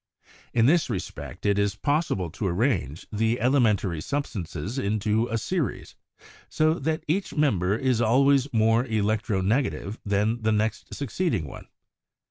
In this respect it is possi ble to arrange the elementary substances into a series, so that each member is always more electro negative than the next succeeding one.